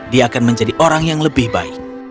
dia akan menjadi orang yang lebih baik